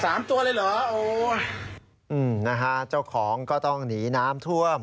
ตัวเลยเหรอโอ้อืมนะฮะเจ้าของก็ต้องหนีน้ำท่วม